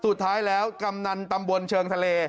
สุดท้ายแล้วกำนันตำบลเชิงทะเล